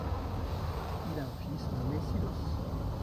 Il a un fils nommé Sillos.